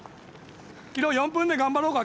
キロ４分で頑張ろうか。